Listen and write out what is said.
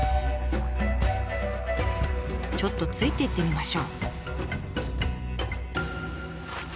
ちょっとついていってみましょう。